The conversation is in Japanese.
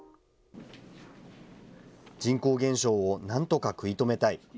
人口減少をなんとか食い止めたい。